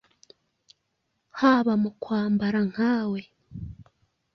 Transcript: haba mu kwamabara nkawe,